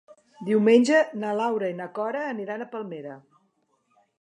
Diumenge na Laura i na Cora aniran a Palmera.